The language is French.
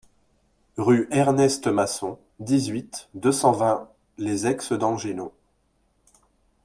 Rue Ernest Masson, dix-huit, deux cent vingt Les Aix-d'Angillon